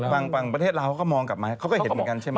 ฝั่งประเทศลาวเขาก็มองกลับมาเขาก็เห็นเหมือนกันใช่ไหม